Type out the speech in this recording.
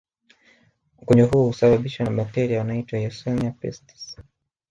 Ugonjwa huu husababishwa na bakteria wanaoitwa yersinia pestis